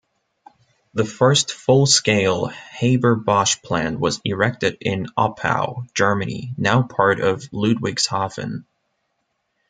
The first full-scale Haber-Bosch plant was erected in Oppau, Germany, now part of Ludwigshafen.